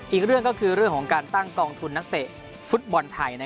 อีกเรื่องก็คือเรื่องของการตั้งกองทุนนักเตะฟุตบอลไทย